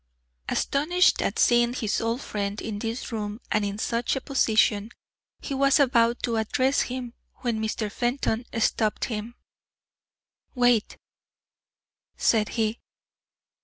Astonished at seeing his old friend in this room and in such a position, he was about to address him, when Mr. Fenton stopped him. "Wait!" said he.